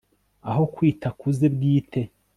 aho kwita ku ze bwite